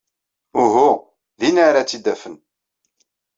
Uhu. Din ara tt-id-afen.